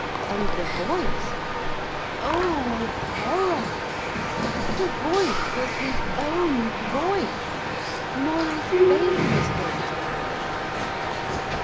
And the voice oh, horror! the voice was his own voice Maurice Basingstoke's voice.